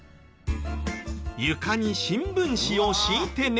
床に新聞紙を敷いて寝たり。